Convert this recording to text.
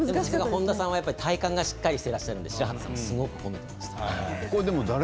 本田さんは体幹がしっかりしていると白畑さん、褒めていました。